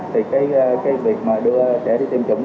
thì cái việc đưa trẻ đi tiêm chủng